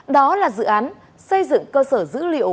đó là dự án xây dựng cơ sở dữ liệu